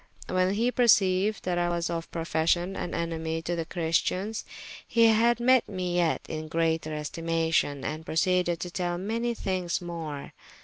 When he perceyued that I was of profession an enemy to the Christians, he had me yet in greater estimation, and proceeded to tell me many thynges more.